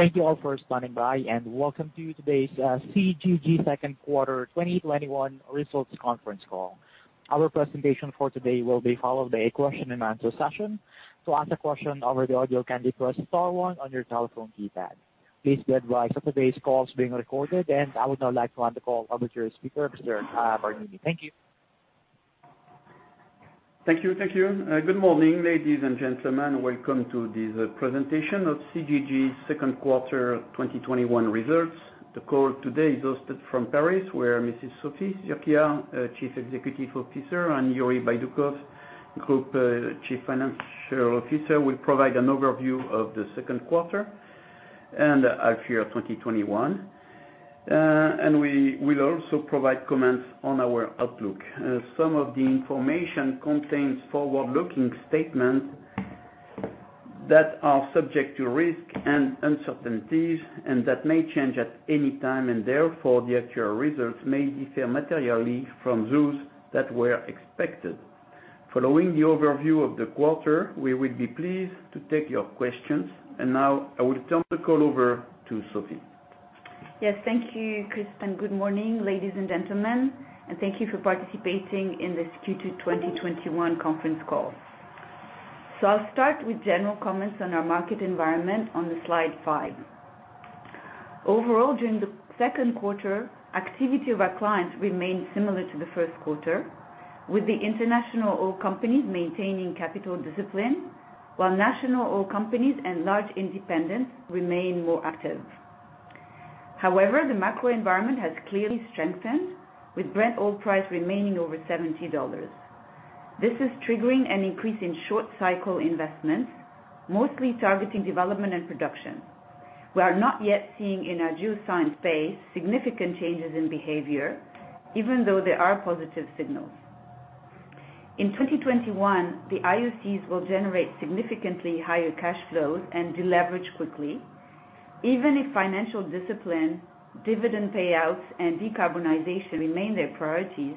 Thank you all for standing by, and welcome to today's CGG 2nd quarter 2021 results conference call. Our presentation for today will be followed by a question and answer session. To ask a question over the audio, can you press star 1 on your telephone keypad. Please be advised that today's call is being recorded. I would now like to hand the call over to your speaker, Mr. Barnini. Thank you. Thank you. Good morning, ladies and gentlemen. Welcome to this presentation of CGG's Q2 2021 results. The call today is hosted from Paris, where Sophie Zurquiyah, Chief Executive Officer, and Yuri Baidoukov, Group Chief Financial Officer, will provide an overview of the Q2 and the year 2021. We will also provide comments on our outlook. Some of the information contains forward-looking statements that are subject to risk and uncertainties, and that may change at any time. Therefore, the actual results may differ materially from those that were expected. Following the overview of the quarter, we will be pleased to take your questions. Now, I will turn the call over to Sophie. Yes. Thank you, Christophe. Good morning, ladies and gentlemen, and thank you for participating in this Q2 2021 conference call. I will start with general comments on our market environment on slide 5. Overall, during the second quarter, activity from our clients remained similar to the first quarter, with the International Oil Companies maintaining capital discipline, while national oil companies and large independents remain more active. The macro environment has clearly strengthened, with Brent oil price remaining over $70. This is triggering an increase in short cycle investments, mostly targeting development and production. We are not yet seeing, in our geoscience space, significant changes in behavior, even though there are positive signals. In 2021, the IOCs will generate significantly higher cash flows and deleverage quickly. Even if financial discipline, dividend payouts, and decarbonization remain their priorities,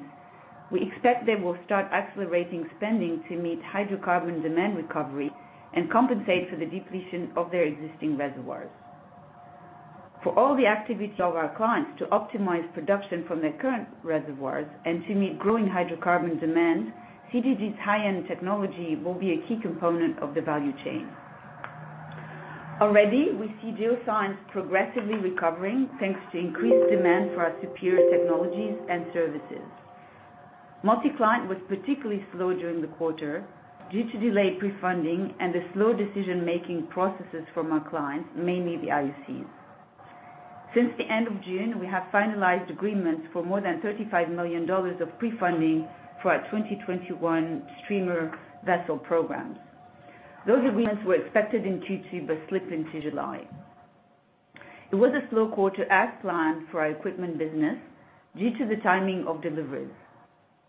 we expect they will start accelerating spending to meet hydrocarbon demand recovery and compensate for the depletion of their existing reservoirs. For all the activity of our clients to optimize production from their current reservoirs and to meet growing hydrocarbon demand, CGG's high-end technology will be a key component of the value chain. Already, we see geoscience progressively recovering, thanks to increased demand for our superior technologies and services. Multi-client was particularly slow during the quarter due to delayed pre-funding and the slow decision-making processes from our clients, mainly the IOCs. Since the end of June, we have finalized agreements for more than $35 million of pre-funding for our 2021 streamer vessel programs. Those agreements were expected in Q2 but slipped into July. It was a slow quarter as planned for our equipment business due to the timing of deliveries.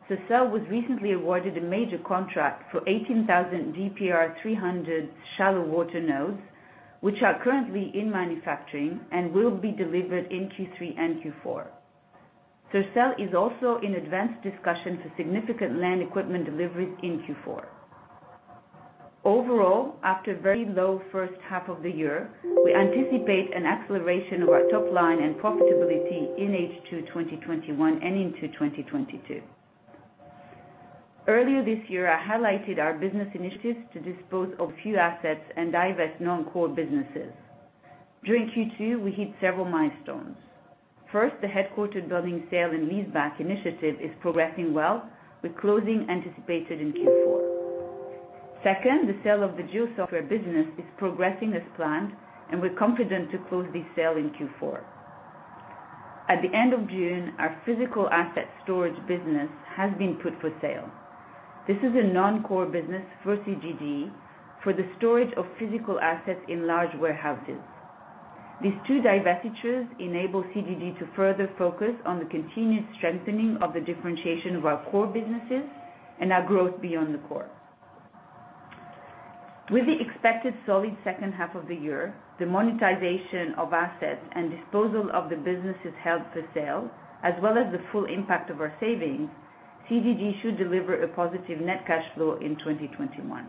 Sercel was recently awarded a major contract for 18,000 GPR 300 shallow water nodes, which are currently in manufacturing and will be delivered in Q3 and Q4. Sercel is also in advanced discussion for significant land equipment deliveries in Q4. Overall, after a very low first half of the year, we anticipate an acceleration of our top line and profitability in H2 2021 and into 2022. Earlier this year, I highlighted our business initiatives to dispose of a few assets and divest non-core businesses. During Q2, we hit several milestones. First, the headquartered building sale and leaseback initiative is progressing well, with closing anticipated in Q4. Second, the sale of the GeoSoftware business is progressing as planned, and we're confident to close this sale in Q4. At the end of June, our physical asset storage business has been put for sale. This is a non-core business for CGG for the storage of physical assets in large warehouses. These two divestitures enable CGG to further focus on the continuous strengthening of the differentiation of our core businesses and our growth beyond the core. With the expected solid second half of the year, the monetization of assets, and disposal of the businesses held for sale, as well as the full impact of our savings, CGG should deliver a positive net cash flow in 2021.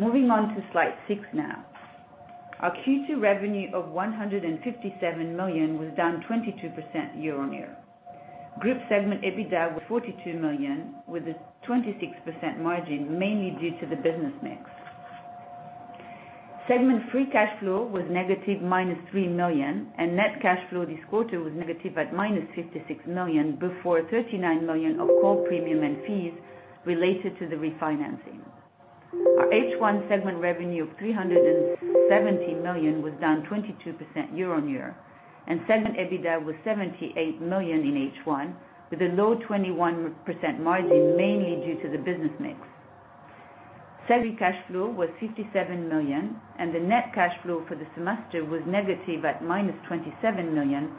Moving on to slide 6 now. Our Q2 revenue of 157 million was down 22% year-on-year. Group segment EBITDA was 42 million, with a 26% margin, mainly due to the business mix. Segment free cash flow was negative 3 million, and net cash flow this quarter was negative at 56 million,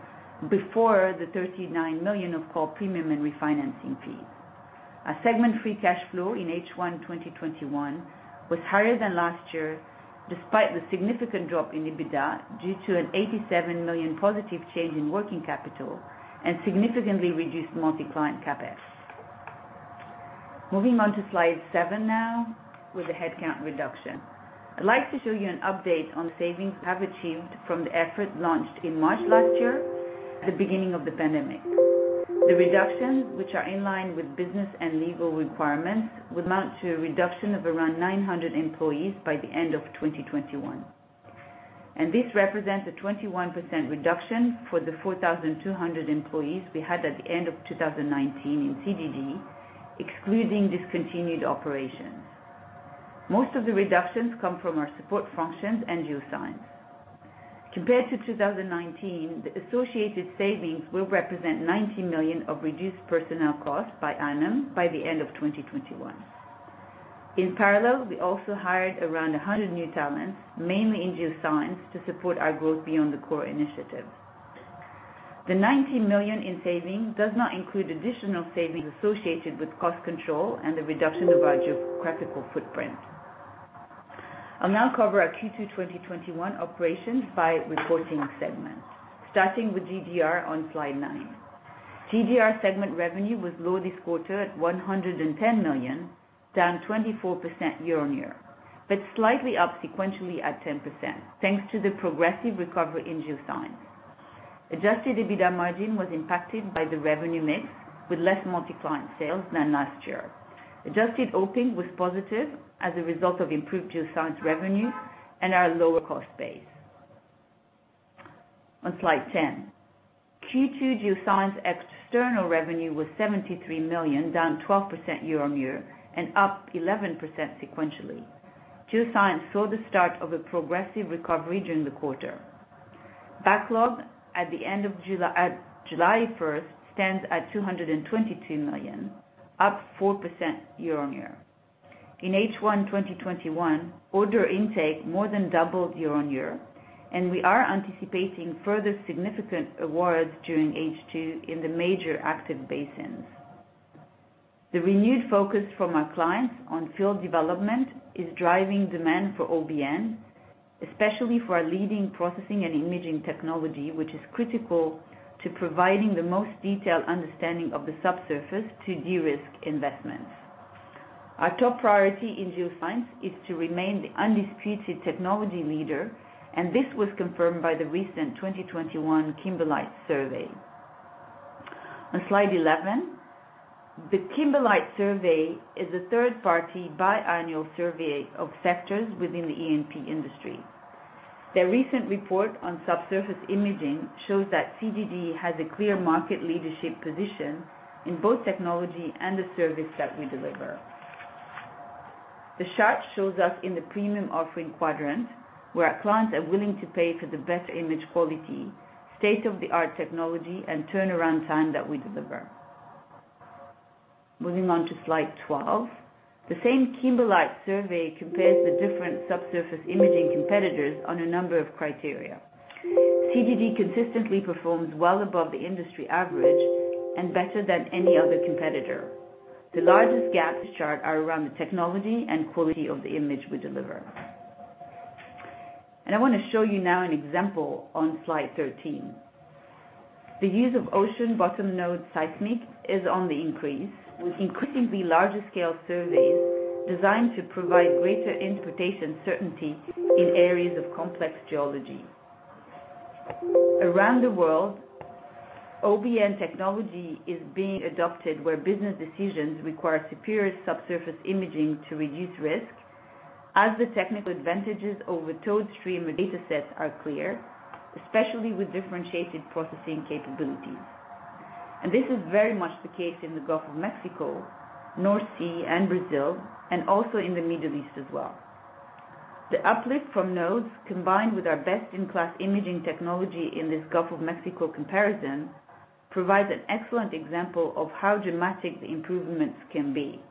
before 39 million of call premium and fees related to the refinancing. Our H1 segment revenue of EUR 370 million was down 22% year-on-year, and segment EBITDA was EUR 78 million in H1, with a low 21% margin, mainly due to the business mix. Segment free cash flow was 57 million, and the net cash flow for the semester was negative at 27 million before the 39 million of call premium and refinancing fees. Our segment free cash flow in H1 2021 was higher than last year, despite the significant drop in EBITDA, due to an 87 million positive change in working capital and significantly reduced multi-client CapEx. Moving on to slide 7 now with the headcount reduction. I'd like to show you an update on the savings we have achieved from the effort launched in March last year at the beginning of the pandemic. The reductions, which are in line with business and legal requirements, will amount to a reduction of around 900 employees by the end of 2021. This represents a 21% reduction for the 4,200 employees we had at the end of 2019 in Viridien, excluding discontinued operations. Most of the reductions come from our support functions and geoscience. Compared to 2019, the associated savings will represent 19 million of reduced personnel costs per annum by the end of 2021. In parallel, we also hired around 100 new talents, mainly in geoscience, to support our growth beyond the core initiative. The 19 million in savings does not include additional savings associated with cost control and the reduction of our geographical footprint. I'll now cover our Q2 2021 operations by reporting segment, starting with GDR on slide 9. GDR segment revenue was low this quarter at 110 million, down 24% year-on-year, but slightly up sequentially at 10% thanks to the progressive recovery in Geoscience. Adjusted EBITDA margin was impacted by the revenue mix, with less multi-client sales than last year. Adjusted operating income was positive as a result of improved Geoscience revenues and our lower cost base. On slide 10, Q2 Geoscience external revenue was 73 million, down 12% year-on-year and up 11% sequentially. Geoscience saw the start of a progressive recovery during the quarter. Backlog at July 1st stands at 222 million, up 4% year-on-year. In H1 2021, order intake more than doubled year-on-year, and we are anticipating further significant awards during H2 in the major active basins. The renewed focus from our clients on field development is driving demand for OBN, especially for our leading processing and imaging technology, which is critical to providing the most detailed understanding of the subsurface to de-risk investments. Our top priority in geoscience is to remain the undisputed technology leader. This was confirmed by the recent 2021 Kimberlite survey. On slide 11, the Kimberlite survey is a third-party biannual survey of sectors within the E&P industry. Their recent report on subsurface imaging shows that Viridien has a clear market leadership position in both technology and the service that we deliver. The chart shows us in the premium offering quadrant, where our clients are willing to pay for the better image quality, state-of-the-art technology, and turnaround time that we deliver. Moving on to slide 12. The same Kimberlite survey compares the different subsurface imaging competitors on a number of criteria. CGG consistently performs well above the industry average and better than any other competitor. The largest gaps in this chart are around the technology and quality of the image we deliver. I want to show you now an example on slide 13. The use of ocean bottom node seismic is on the increase, with increasingly larger scale surveys designed to provide greater interpretation certainty in areas of complex geology. Around the world, OBN technology is being adopted where business decisions require superior subsurface imaging to reduce risk, as the technical advantages over towed streamer datasets are clear, especially with differentiated processing capabilities. This is very much the case in the Gulf of Mexico, North Sea, and Brazil, and also in the Middle East as well. The uplift from nodes, combined with our best-in-class imaging technology in this Gulf of Mexico comparison, provides an excellent example of how dramatic the improvements can be.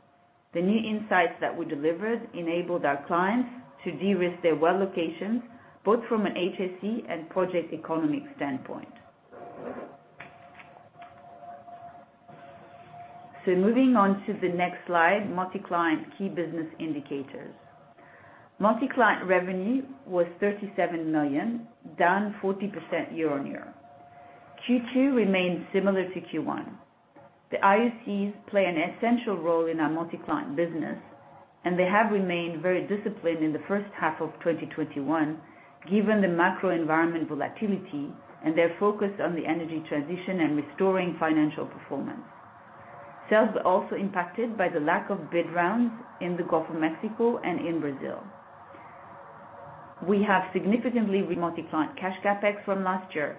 The new insights that we delivered enabled our clients to de-risk their well locations, both from an HSE and project economic standpoint. Moving on to the next slide, multi-client key business indicators. Multi-client revenue was 37 million, down 40% year-on-year. Q2 remained similar to Q1. The IOCs play an essential role in our multi-client business, and they have remained very disciplined in the first half of 2021 given the macro environment volatility and their focus on the energy transition and restoring financial performance. Sales were also impacted by the lack of bid rounds in the Gulf of Mexico and in Brazil. We have significantly multi-client cash CapEx from last year.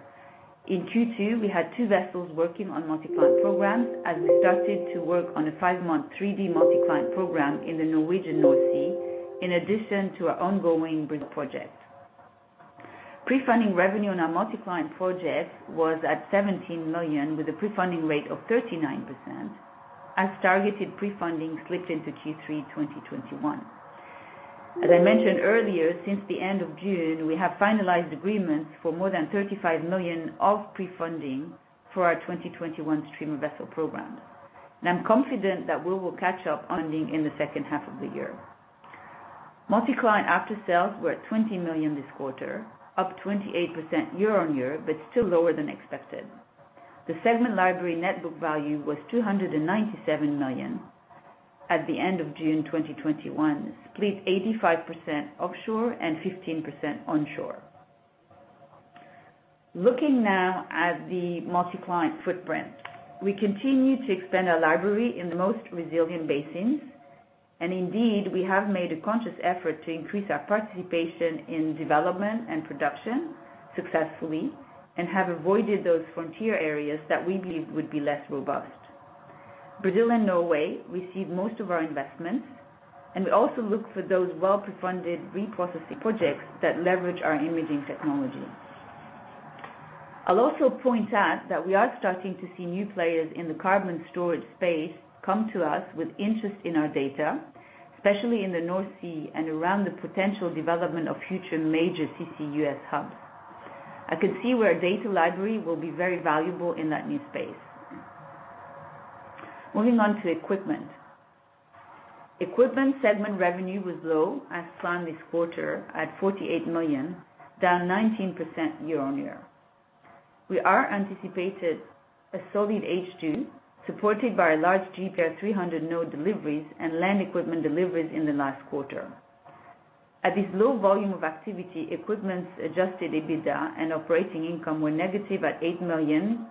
In Q2, we had two vessels working on multi-client programs as we started to work on a 5-month 3D multi-client program in the Norwegian North Sea, in addition to our ongoing Brazil project. Prefunding revenue on our multi-client projects was at 17 million, with a prefunding rate of 39%, as targeted prefunding slipped into Q3 2021. As I mentioned earlier, since the end of June, we have finalized agreements for more than $35 million of prefunding for our 2021 streamer vessel program. I'm confident that we will catch up on funding in the second half of the year. Multi-client after sales were at $20 million this quarter, up 28% year-on-year, still lower than expected. The segment library net book value was $297 million at the end of June 2021, split 85% offshore and 15% onshore. Looking now at the multi-client footprint. We continue to expand our library in the most resilient basins, and indeed, we have made a conscious effort to increase our participation in development and production successfully, and have avoided those frontier areas that we believe would be less robust. Brazil and Norway receive most of our investments, and we also look for those well-prefunded reprocessing projects that leverage our imaging technology. I'll also point out that we are starting to see new players in the carbon storage space come to us with interest in our data, especially in the North Sea and around the potential development of future major CCUS hubs. I could see where a data library will be very valuable in that new space. Moving on to equipment. Equipment segment revenue was low as planned this quarter at $48 million, down 19% year-over-year. We are anticipating a solid H2, supported by large GPR 300 node deliveries and land equipment deliveries in the last quarter. At this low volume of activity, equipment's adjusted EBITDA and operating income were negative at $8 million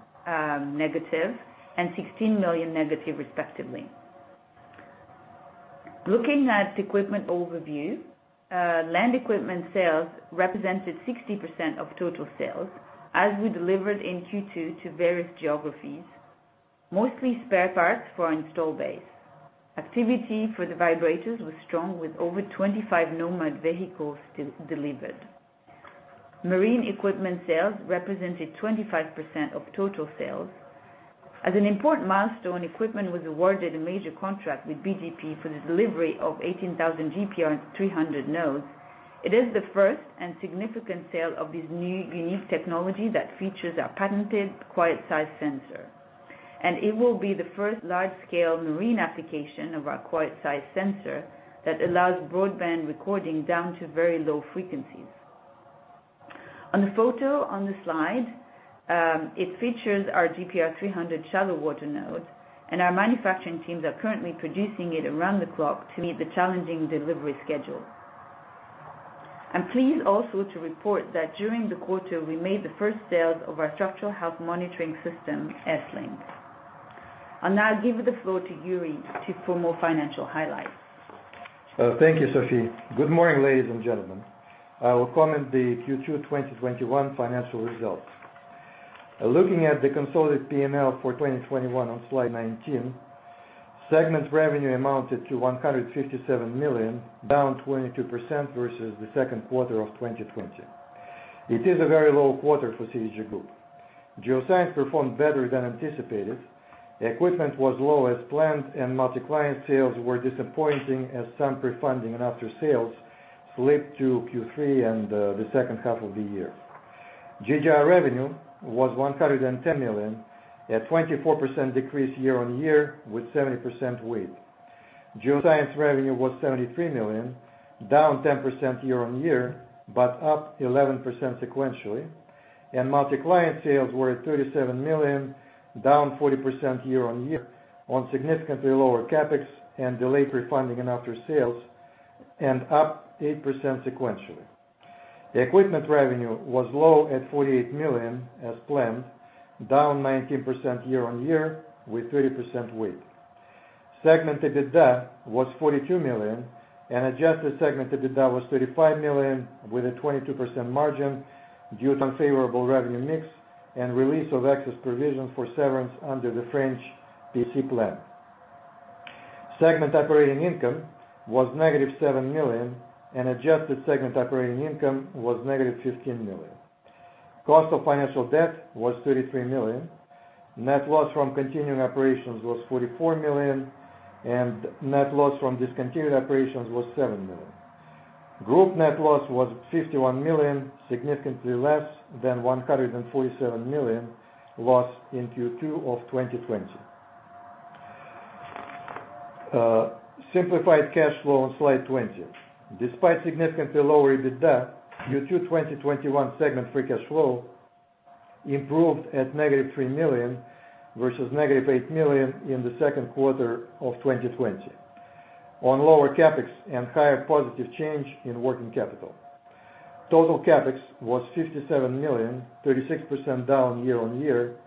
negative and $16 million negative respectively. Looking at equipment overview, land equipment sales represented 60% of total sales as we delivered in Q2 to various geographies, mostly spare parts for our install base. Activity for the vibrators was strong with over 25 Nomad vehicles delivered. Marine equipment sales represented 25% of total sales. As an important milestone, equipment was awarded a major contract with BGP for the delivery of 18,000 GPR 300 nodes. It is the first and significant sale of this unique technology that features our patented QuietSeis sensor. It will be the first large-scale marine application of our QuietSeis sensor that allows broadband recording down to very low frequencies. On the photo on the slide, it features our GPR 300 shallow water node, and our manufacturing teams are currently producing it around the clock to meet the challenging delivery schedule. I am pleased also to report that during the quarter, we made the first sales of our structural health monitoring system, S-lynks. I will now give the floor to Yuri for more financial highlights. Thank you, Sophie. Good morning, ladies and gentlemen. I will comment the Q2 2021 financial results. Looking at the consolidated P&L for 2021 on slide 19, segment revenue amounted to 157 million, down 22% versus the second quarter of 2020. It is a very low quarter for CGG Group. Geoscience performed better than anticipated. Equipment was low as planned, and multi-client sales were disappointing as some prefunding and after sales slipped to Q3 and the second half of the year. GDR revenue was 110 million, a 24% decrease year-on-year with 70% weight. Geoscience revenue was 73 million, down 10% year-on-year, but up 11% sequentially. Multi-client sales were at 37 million, down 40% year-on-year on significantly lower CapEx and delayed prefunding and after sales, and up 8% sequentially. The equipment revenue was low at 48 million, as planned, down 19% year-on-year with 30% weight. Segment EBITDA was $42 million. Adjusted segment EBITDA was $35 million with a 22% margin due to unfavorable revenue mix and release of excess provision for severance under the French PSE plan. Segment operating income was negative $7 million. Adjusted segment operating income was negative $15 million. Cost of financial debt was $33 million. Net loss from continuing operations was $44 million. Net loss from discontinued operations was $7 million. Group net loss was $51 million, significantly less than $147 million loss in Q2 of 2020. Simplified cash flow on slide 20. Despite significantly lower EBITDA, Q2 2021 segment free cash flow improved at negative $3 million versus negative $8 million in the second quarter of 2020 on lower CapEx and higher positive change in working capital. Total CapEx was $57 million, 36% down year-on-year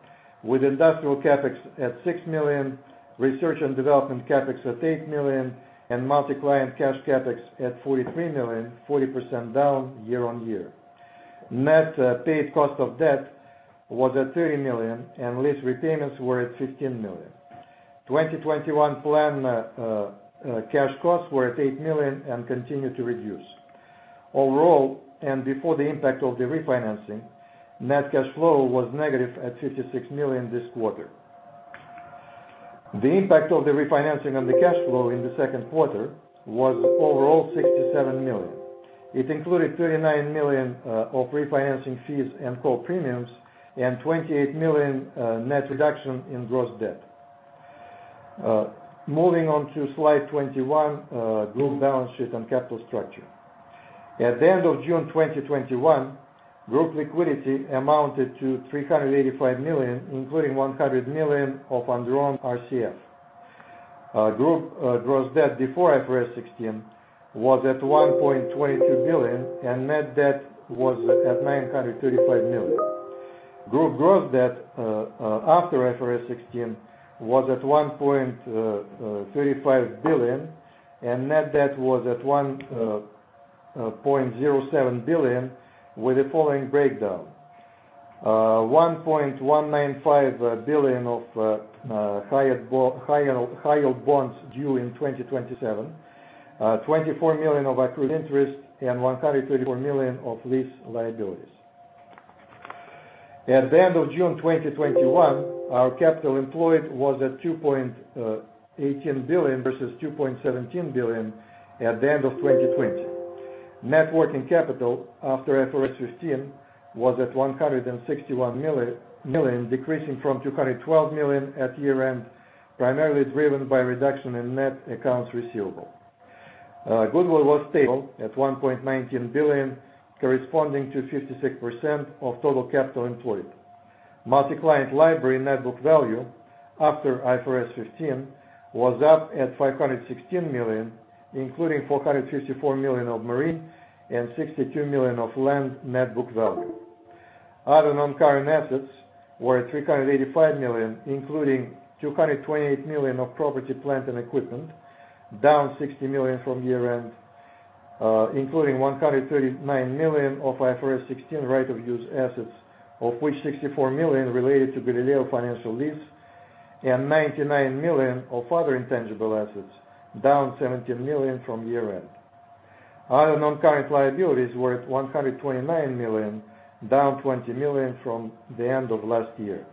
with industrial CapEx at $6 million, research and development CapEx at $8 million and multi-client cash CapEx at $43 million, 40% down year-on-year. Net paid cost of debt was at $30 million, and lease repayments were at $15 million. 2021 plan cash costs were at $8 million and continue to reduce. Overall, and before the impact of the refinancing, net cash flow was negative at $56 million this quarter. The impact of the refinancing on the cash flow in the second quarter was overall $67 million. It included $39 million of refinancing fees and call premiums and $28 million net reduction in gross debt. Moving on to slide 21, group balance sheet and capital structure. At the end of June 2021, group liquidity amounted to $385 million, including $100 million of undrawn RCF. Group gross debt before IFRS 16 was at 1.22 billion, and net debt was at 935 million. Group gross debt after IFRS 16 was at 1.35 billion, and net debt was at 1.07 billion with the following breakdown. 1.195 billion of high yield bonds due in 2027, 24 million of accrued interest, and 134 million of lease liabilities. At the end of June 2021, our capital employed was at 2.18 billion versus 17 billion at the end of 2020. Net working capital after IFRS 15 was at 161 million, decreasing from 212 million at year-end, primarily driven by a reduction in net accounts receivable. Goodwill was stable at 1.19 billion, corresponding to 56% of total capital employed. Multi-client library net book value after IFRS 15 was up at 516 million, including 454 million of marine and 62 million of land net book value. Other non-current assets were at 385 million, including 228 million of property, plant, and equipment, down 60 million from year-end, including 139 million of IFRS 16 right of use assets, of which 64 million related to [inaudible] and 99 million of other intangible assets, down 17 million from year-end. Other non-current liabilities were at 129 million, down 20 million from the end of last year.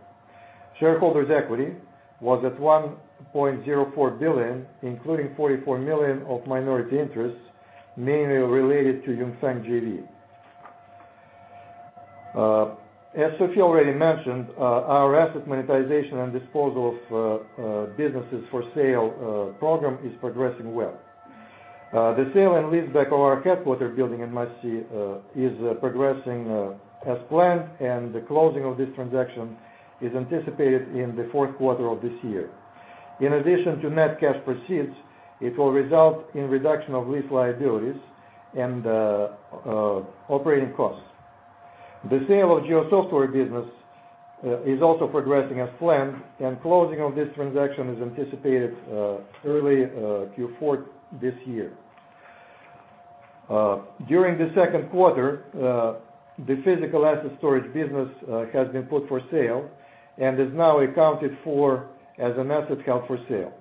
Shareholders' equity was at 1.04 billion, including 44 million of minority interests, mainly related to Yunfeng JV. As Sophie already mentioned, our asset monetization and disposal of businesses for sale program is progressing well. The sale and leaseback of our headquarter building in Massy is progressing as planned, and the closing of this transaction is anticipated in the fourth quarter of this year. In addition to net cash proceeds, it will result in a reduction of lease liabilities and operating costs. The sale of GeoSoftware business is also progressing as planned, and closing of this transaction is anticipated early Q4 this year. During the second quarter, the physical asset storage business has been put for sale and is now accounted for as an asset held for sale.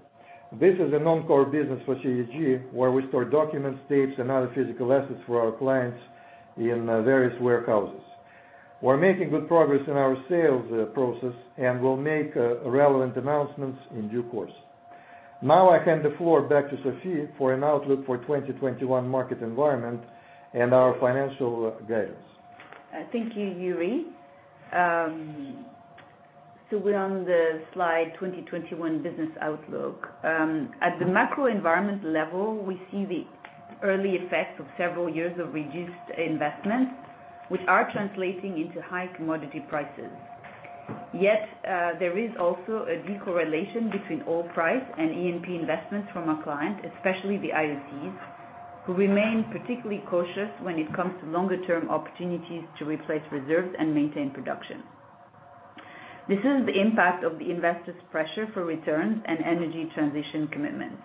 This is a non-core business for Viridien, where we store documents, tapes, and other physical assets for our clients in various warehouses. We're making good progress in our sales process and will make relevant announcements in due course. Now I hand the floor back to Sophie for an outlook for 2021 market environment and our financial guidance. Thank you, Yuri. We're on the slide 2021 business outlook. At the macro environment level, we see the early effects of several years of reduced investment, which are translating into high commodity prices. There is also a decorrelation between oil price and E&P investments from our clients, especially the IOCs, who remain particularly cautious when it comes to longer-term opportunities to replace reserves and maintain production. This is the impact of the investors' pressure for returns and energy transition commitments.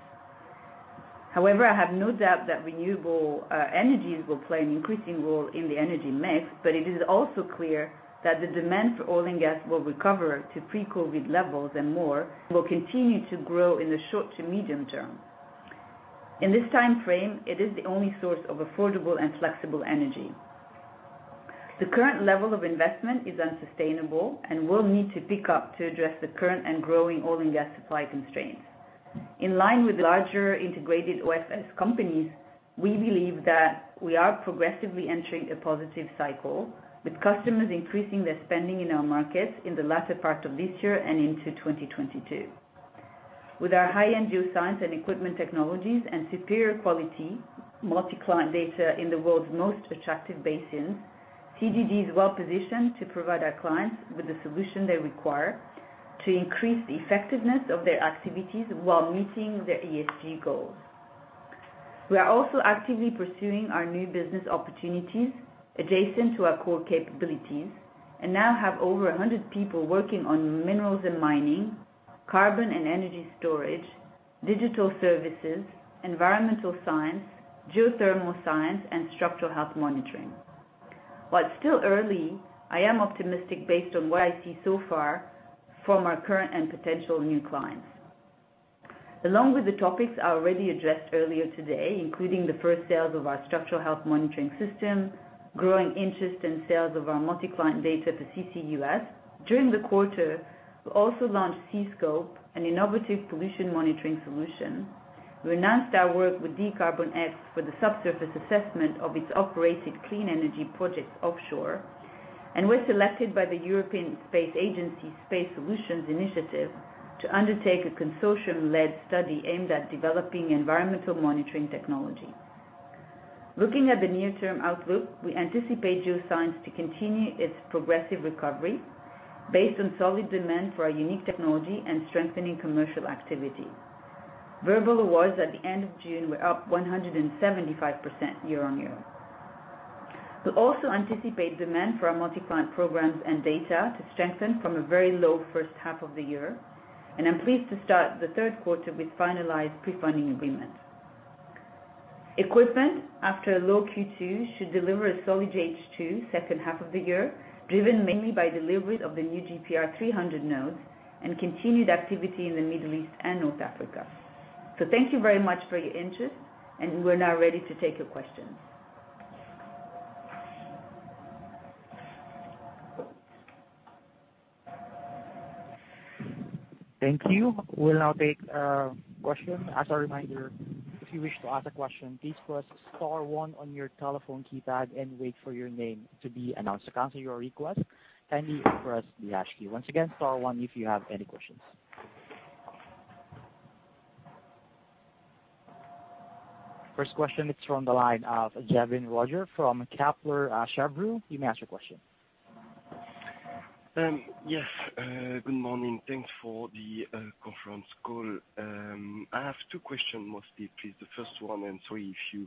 I have no doubt that renewable energies will play an increasing role in the energy mix, but it is also clear that the demand for oil and gas will recover to pre-COVID levels, and more will continue to grow in the short to medium term. In this timeframe, it is the only source of affordable and flexible energy. The current level of investment is unsustainable and will need to pick up to address the current and growing oil and gas supply constraints. In line with the larger integrated OFS companies, we believe that we are progressively entering a positive cycle, with customers increasing their spending in our markets in the latter part of this year and into 2022. With our high-end geoscience and equipment technologies and superior quality multi-client data in the world's most attractive basins, CGG is well-positioned to provide our clients with the solution they require to increase the effectiveness of their activities while meeting their ESG goals. We are also actively pursuing our new business opportunities adjacent to our core capabilities and now have over 100 people working on minerals and mining, carbon and energy storage, digital services, environmental science, geothermal science, and structural health monitoring. While it's still early, I am optimistic based on what I see so far from our current and potential new clients, along with the topics I already addressed earlier today, including the first sales of our structural health monitoring system, growing interest in sales of our multi-client data to CCUS. During the quarter, we also launched SeaScope, an innovative pollution monitoring solution. We announced our work with dCarbonX for the subsurface assessment of its operated clean energy projects offshore. We're selected by the European Space Agency ESA Space Solutions to undertake a consortium-led study aimed at developing environmental monitoring technology. Looking at the near-term outlook, we anticipate Geoscience to continue its progressive recovery based on solid demand for our unique technology and strengthening commercial activity. Verbal awards at the end of June were up 175% year-on-year. We also anticipate demand for our multi-client programs and data to strengthen from a very low first half of the year. I'm pleased to start the third quarter with finalized pre-funding agreements. Equipment after a low Q2 should deliver a solid H2 second half of the year, driven mainly by deliveries of the new GPR 300 node and continued activity in the Middle East and North Africa. Thank you very much for your interest. We're now ready to take your questions. Thank you. We'll now take questions. First question is from the line of Kevin Roger from Kepler Cheuvreux. You may ask your question. Yes. Good morning. Thanks for the conference call. I have 2 questions mostly, please. The first one, and sorry if you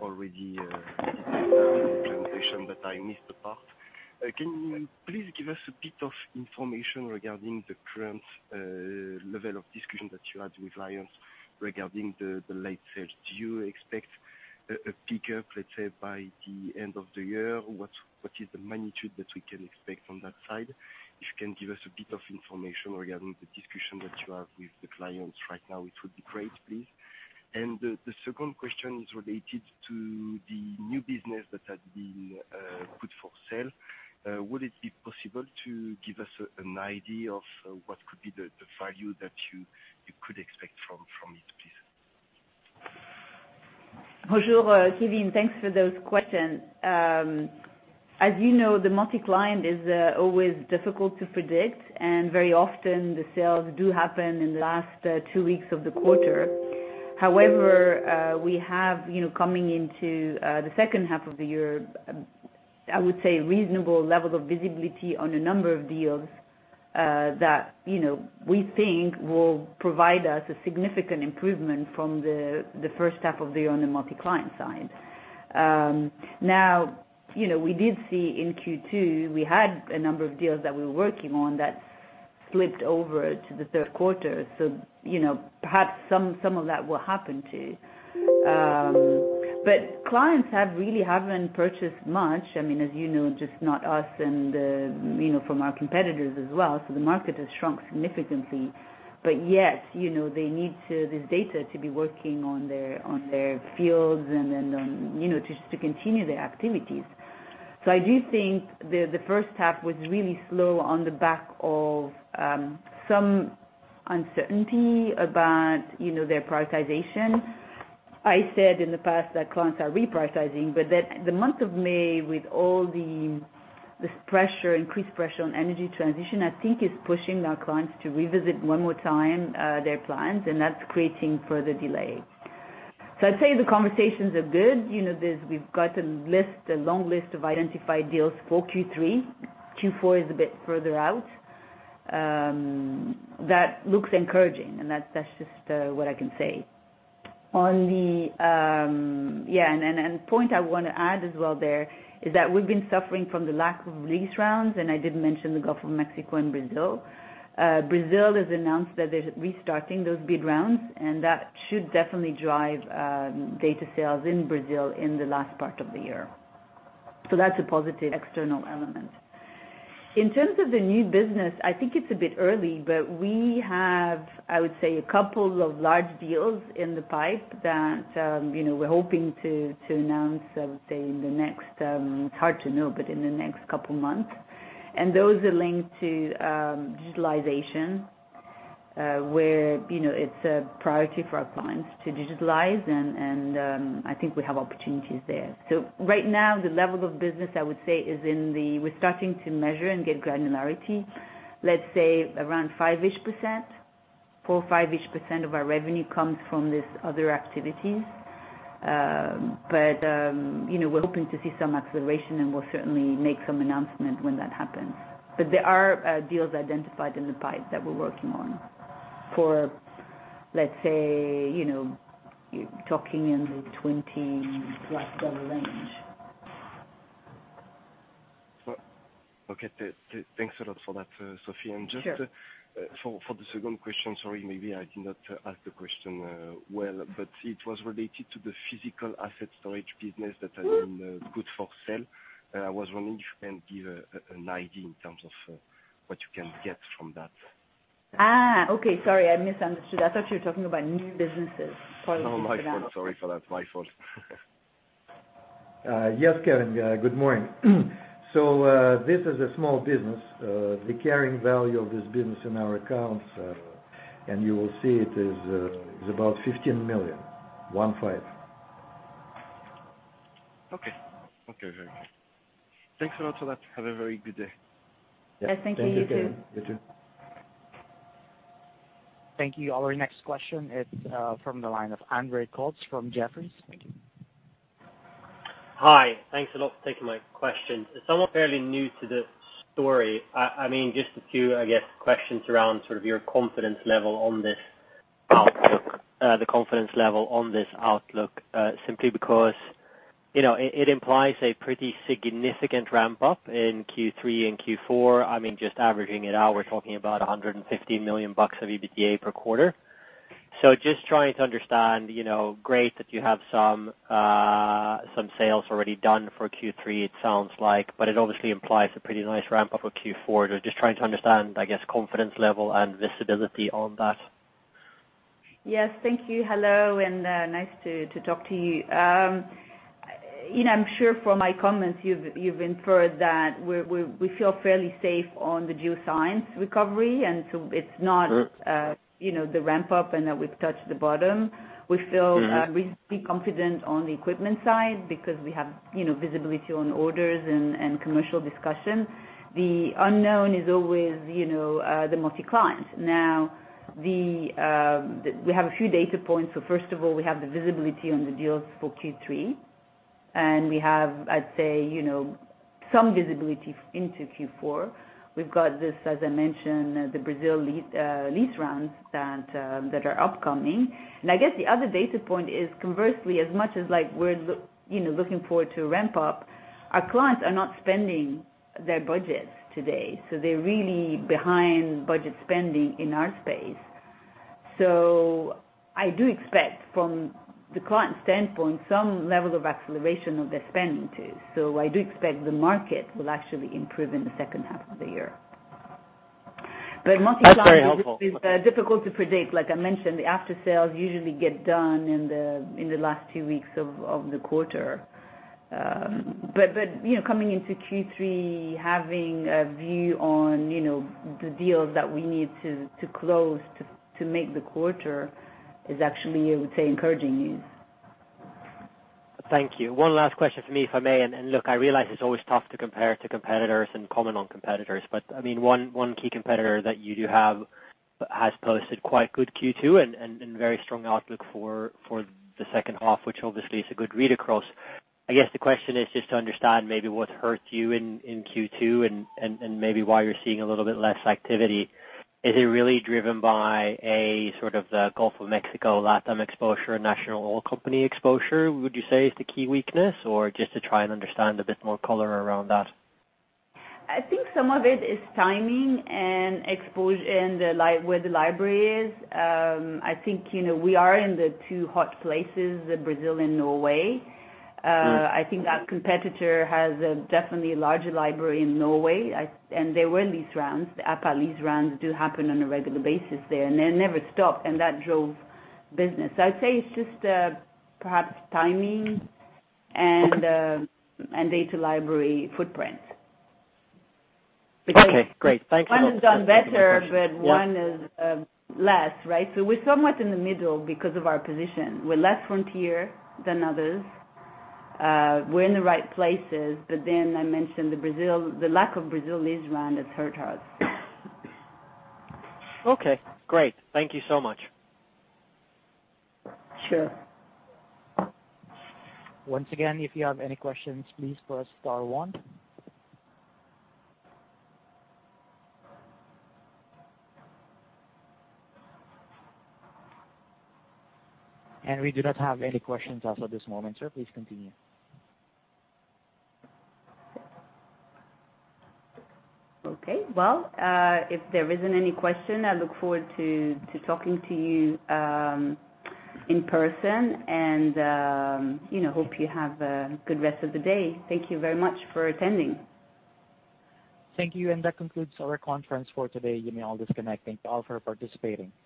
already presentation, but I missed the part. Can you please give us a bit of information regarding the current level of discussion that you had with clients regarding the late sales? Do you expect a pickup, let's say, by the end of the year? What is the magnitude that we can expect from that side? If you can give us a bit of information regarding the discussion that you have with the clients right now, it would be great, please. The second question is related to the new business that has been put for sale. Would it be possible to give us an idea of what could be the value that you could expect from it, please? Kevin, thanks for those questions. As you know, the multi-client is always difficult to predict, and very often the sales do happen in the last two weeks of the quarter. However, we have, coming into the second half of the year, I would say, reasonable level of visibility on a number of deals that we think will provide us a significant improvement from the first half of the year on the multi-client side. Now, we did see in Q2, we had a number of deals that we were working on that slipped over to the third quarter. Perhaps some of that will happen too. Clients really haven't purchased much. As you know, just not us and from our competitors as well. The market has shrunk significantly. Yet, they need this data to be working on their fields and then just to continue their activities. I do think the first half was really slow on the back of some uncertainty about their prioritization. I said in the past that clients are reprioritizing, but that the month of May, with all this increased pressure on energy transition, I think is pushing our clients to revisit, one more time, their plans, and that's creating further delay. I'd say the conversations are good. We've got a long list of identified deals for Q3. Q4 is a bit further out. That looks encouraging, and that's just what I can say. Point I want to add as well there, is that we've been suffering from the lack of lease rounds, and I did mention the Gulf of Mexico and Brazil. Brazil has announced that they're restarting those bid rounds, and that should definitely drive data sales in Brazil in the last part of the year. That's a positive external element. In terms of the new business, it's a bit early, but we have two large deals in the pipe that we're hoping to announce in the next couple of months. Those are linked to digitalization, where it's a priority for our clients to digitalize, and I think we have opportunities there. Right now, the level of business we're starting to measure and get granularity, let's say around 5%. 4%-5% of our revenue comes from these other activities. We're hoping to see some acceleration, and we'll certainly make some announcement when that happens. There are deals identified in the pipe that we're working on, for, let's say, talking in the $20 plus range. Okay. Thanks a lot for that, Sophie. Sure. Just for the second question, sorry, maybe I did not ask the question well, but it was related to the physical asset storage business that has been put for sale. I was wondering if you can give an idea in terms of what you can get from that. Okay. Sorry, I misunderstood. I thought you were talking about new businesses. Apologies for that. No, my fault. Sorry for that. My fault. Yes, Kevin, good morning. This is a small business. The carrying value of this business in our accounts, and you will see it is about 15 million. 15. Okay. Very well. Thanks a lot for that. Have a very good day. Yes, thank you. You too. Thank you all. Our next question is from the line of Andre Klotz from Jefferies. Thank you. Hi. Thanks a lot for taking my question. As someone fairly new to the story, just a few, I guess, questions around sort of your confidence level on this outlook, simply because it implies a pretty significant ramp-up in Q3 and Q4. Just averaging it out, we're talking about $150 million of EBITDA per quarter. Just trying to understand, great that you have some sales already done for Q3, it sounds like, but it obviously implies a pretty nice ramp-up of Q4. Just trying to understand, I guess, confidence level and visibility on that. Thank you. Hello, and nice to talk to you. I'm sure from my comments you've inferred that we feel fairly safe on the geoscience recovery. It's not the ramp-up and that we've touched the bottom. We feel reasonably confident on the equipment side because we have visibility on orders and commercial discussions. The unknown is always the multi-client. We have a few data points. First of all, we have the visibility on the deals for Q3, and we have, I'd say, some visibility into Q4. We've got this, as I mentioned, the Brazil lease rounds that are upcoming. I guess the other data point is, conversely, as much as we're looking forward to ramp up, our clients are not spending their budgets today, so they're really behind budget spending in our space. I do expect, from the client standpoint, some level of acceleration of their spending, too. I do expect the market will actually improve in the second half of the year. That's very helpful. is difficult to predict. Like I mentioned, the after-sales usually get done in the last two weeks of the quarter. Coming into Q3, having a view on the deals that we need to close to make the quarter is actually, I would say, encouraging news. Thank you. One last question from me, if I may. Look, I realize it's always tough to compare to competitors and comment on competitors, but one key competitor that you do have has posted quite good Q2 and very strong outlook for the second half, which obviously is a good read across. I guess the question is just to understand maybe what hurt you in Q2 and maybe why you're seeing a little bit less activity. Is it really driven by a sort of Gulf of Mexico, LATAM exposure, national oil company exposure, would you say is the key weakness? Just to try and understand a bit more color around that. I think some of it is timing and where the library is. I think we are in the two hot places, Brazil and Norway. I think that competitor has a definitely larger library in Norway. There were lease rounds. The APA lease rounds do happen on a regular basis there, and they never stop, and that drove business. I'd say it's just perhaps timing and data library footprint. Okay, great. Thanks a lot. One has done better, but one is less, right? We're somewhat in the middle because of our position. We're less frontier than others. We're in the right places. I mentioned the lack of Brazil lease round has hurt us. Okay, great. Thank you so much. Sure. Once again, if you have any questions, please press star one. We do not have any questions as of this moment, sir. Please continue. Okay. Well, if there isn't any question, I look forward to talking to you in person, hope you have a good rest of the day. Thank you very much for attending. Thank you. That concludes our conference for today. You may all disconnect. Thank you all for participating.